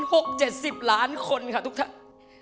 หกเจ็ดสิบล้านคนค่ะทุกท่าน